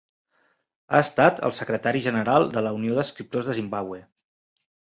Ha estat el secretari general de la Unió d'Escriptors de Zimbabwe.